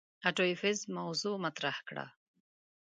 آټو ایفز موضوغ مطرح کړه.